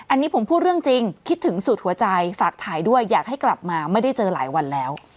อันนี้ผมพูดเรื่องจริงคิดถึงสูตรหัวใจฝากถ่ายด้วยอยากให้กลับมาไม่ได้เจอหลายวันแล้ว